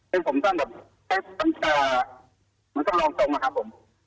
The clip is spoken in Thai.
ให้ผมสั้นแบบตั้งแต่มันก็รองตรงอะครับผม